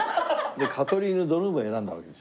カトリーヌ・ドヌーヴを選んだわけでしょ？